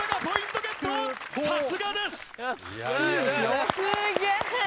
すげえ！